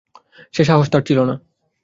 সে সাহস তার ছিল না।